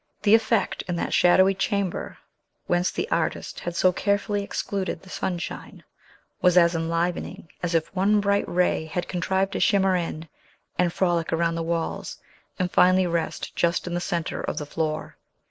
The effect in that shadowy chamber, whence the artist had so carefully excluded the sunshine, was as enlivening as if one bright ray had contrived to shimmer in and frolic around the walls, and finally rest just in the centre of the floor.